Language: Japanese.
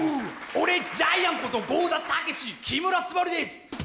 俺ジャイアンこと剛田武木村昴です！